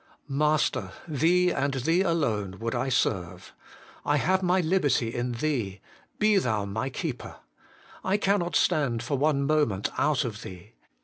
Master ! Thee and Thee alone would I serve. I have my liberty in Thee ! be Thou my Keeper. I cannot stand for one moment out of Thee.